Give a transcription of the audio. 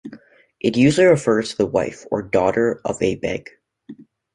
It usually refers to the wife or daughter of a "beg".